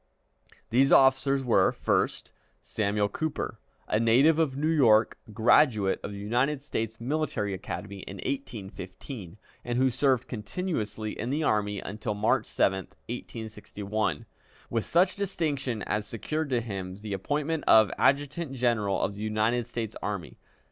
These officers were first, Samuel Cooper, a native of New York, a graduate of the United States Military Academy in 1815, and who served continuously in the army until March 7, 1861, with such distinction as secured to him the appointment of Adjutant General of the United States Army.